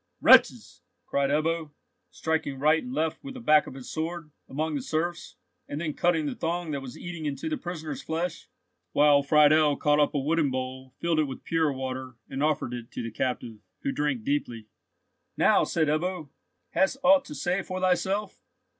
"Wretches!" cried Ebbo, striking right and left with the back of his sword, among the serfs, and then cutting the thong that was eating into the prisoner's flesh, while Friedel caught up a wooden bowl, filled it with pure water, and offered it to the captive, who drank deeply. "Now," said Ebbo, "hast ought to say for thyself?"